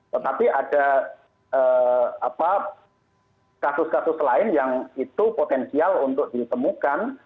tetapi ada kasus kasus lain yang itu potensial untuk ditemukan